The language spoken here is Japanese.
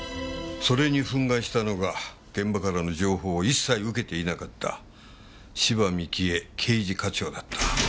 それに憤慨したのが現場からの情報を一切受けていなかった芝美紀江刑事課長だった。